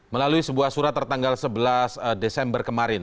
melalui sebuah surat tertanggal sebelas desember kemarin